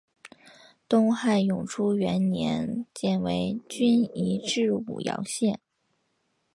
东汉永初元年犍为郡移治武阳县。